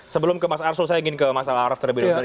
sebelum ke mas arsul saya ingin ke masalah haraf terlebih dahulu